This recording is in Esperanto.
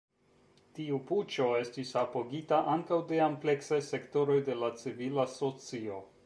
Tiu puĉo estis apogita ankaŭ de ampleksaj sektoroj de la civila socio.